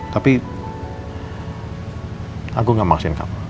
tapi aku nggak memaksin kamu